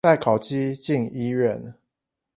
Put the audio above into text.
帶烤雞進醫院